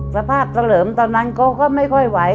สภาพเฉลิมตอนนั้นเขาก็ไม่ค่อยไหว